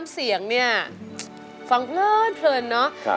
เสียงเนี่ยฟังเพลินเนาะ